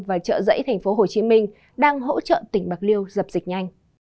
và chợ dẫy tp hcm đang hỗ trợ tỉnh bạc liêu dập dịch nhanh